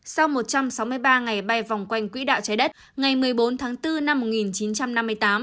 sau một trăm sáu mươi ba ngày bay vòng quanh quỹ đạo trái đất ngày một mươi bốn tháng bốn năm một nghìn chín trăm năm mươi tám